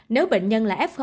nếu bệnh nhân là f